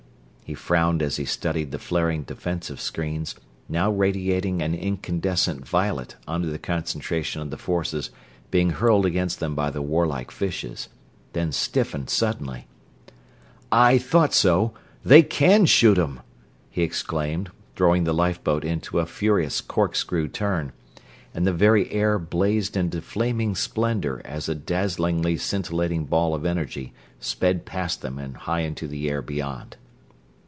He frowned as he studied the flaring defensive screens, now radiating an incandescent violet under the concentration of the forces being hurled against them by the warlike fishes, then stiffened suddenly. "I thought so they can shoot 'em!" he exclaimed, throwing the lifeboat into a furious corkscrew turn, and the very air blazed into flaming splendor as a dazzlingly scintillating ball of energy sped past them and high into the air beyond.